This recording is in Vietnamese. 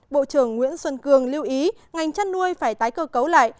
bộ trưởng nguyễn xuân cường lưu ý ngành chăn nuôi phải tái cơ cấu lại